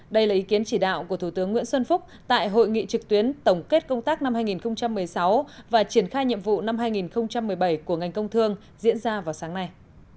đây là ý kiến chỉ đạo của thủ tướng nguyễn xuân phúc tại hội nghị trực tuyến tổng kết công tác năm hai nghìn một mươi sáu và triển khai nhiệm vụ năm hai nghìn một mươi bảy của ngành công thương diễn ra vào sáng nay